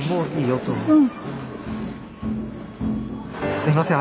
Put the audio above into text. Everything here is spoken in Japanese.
すいません。